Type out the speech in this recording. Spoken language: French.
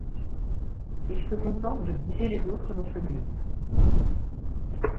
Il se contente de guider les autres dans ce but.